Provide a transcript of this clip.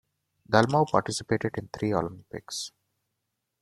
Dalmau participated in three Olympics.